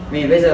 vì bây giờ